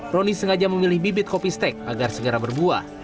roni sengaja memilih bibit kopi steak agar segera berbuah